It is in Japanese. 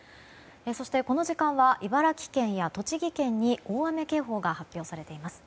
そしてこの時間は茨城県や栃木県に大雨警報が発表されています。